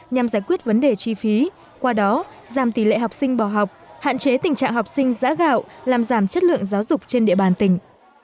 nhằm giải quyết vấn đề chi phí qua đó giảm tỷ lệ học sinh bỏ học hạn chế tình trạng học sinh giã gạo làm giảm chất lượng giáo dục trên địa bàn tỉnh